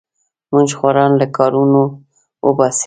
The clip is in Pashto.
موږ خواران له کارونو وباسې.